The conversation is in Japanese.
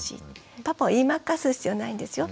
パパを言い負かす必要ないんですよ。